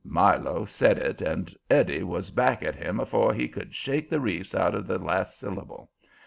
Milo said it, and Eddie was back at him afore he could shake the reefs out of the last syllable.